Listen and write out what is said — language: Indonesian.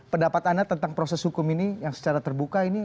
pendapat anda tentang proses hukum ini yang secara terbuka ini